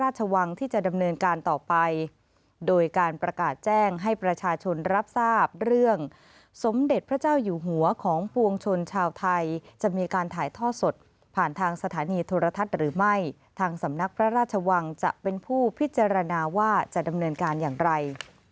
ที่จะดำเนินการต่อไปโดยการประกาศแจ้งให้ประชาชนรับทราบเรื่องสมเด็จพระเจ้าอยู่หัวของปวงชนชาวไทยจะมีการถ่ายท่อสดผ่านทางสถานีโทรทัศน์หรือไม่ทางสำนักพระราชวังจะเป็นผู้พิจารณาว่าจะดำเนินการอย่างไร